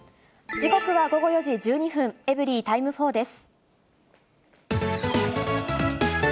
時刻は午後４時１２分、エブリィタイム４です。